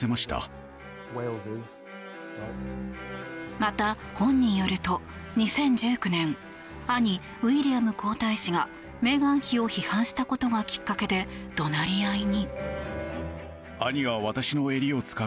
また本によると、２０１９年兄ウィリアム皇太子がメーガン妃を批判したことがきっかけで怒鳴り合いに。